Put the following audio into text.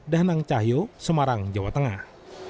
danang cahyo semarang jawa tengah